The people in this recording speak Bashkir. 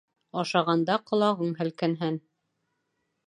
Ашағанда ҡолағың һелкенһен